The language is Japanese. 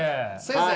先生！